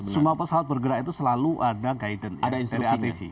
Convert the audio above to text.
semua pesawat bergerak itu selalu ada guidance dari atc